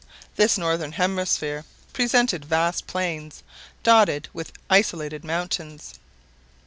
This northern hemisphere presented vast plains, dotted with isolated mountains.